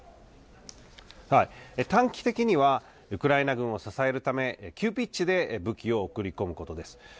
短期的には、ウクライナ軍を支えるため、急ピッチで武器を送り込むことです。